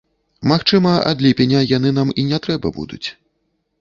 Магчыма, ад ліпеня яны нам і не трэба будуць.